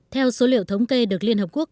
theo số liệu thống kê được liên hợp quốc